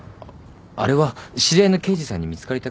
あれは知り合いの刑事さんに見つかりたくなくて。